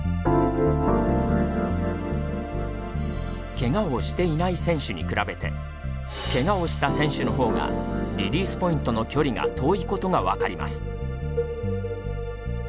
けがをしていない選手に比べてけがをした選手の方がリリースポイントの距離が遠いことが分かります。